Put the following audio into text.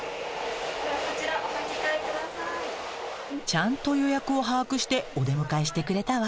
ちゃんと予約を把握してお出迎えしてくれたわ。